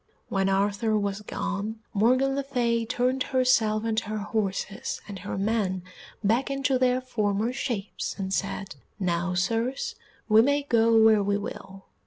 When Arthur was gone, Morgan le Fay turned herself and her horses and her men back into their former shapes and said, "Now, Sirs, we may go where we will."